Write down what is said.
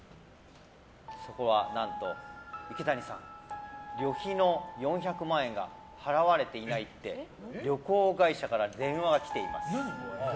そこは何と、池谷さん旅費の４００万円が払われていないって旅行会社から電話が来ています！